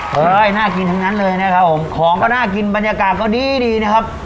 น่ากินทั้งนั้นเลยนะครับผมของก็น่ากินบรรยากาศก็ดีดีนะครับ